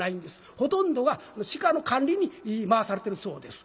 ほとんどが鹿の管理に回されてるそうです。